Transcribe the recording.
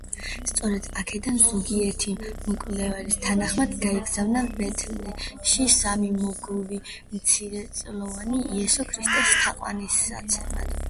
სწორედ აქედან, ზოგიერთი მკვლევარის თანახმად, გაიგზავნა ბეთლემში სამი მოგვი მცირეწლოვანი იესო ქრისტეს თაყვანისსაცემად.